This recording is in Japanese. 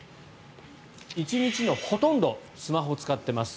１日のほとんどでスマホを使ってます。